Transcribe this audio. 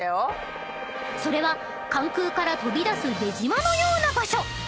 ［それは関空から飛び出す出島のような場所］